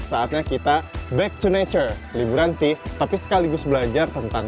saatnya kita back to nature liburan sih tapi sekaligus belajar tentang